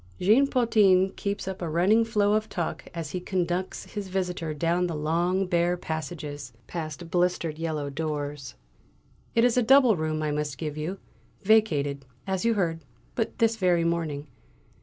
Jean Potin keeps up a running flow of talk as he conducts his visitor down the long bare passages, past blistered yellow doors. "It is a double room I must give you, vacated, as you heard, but this very morning.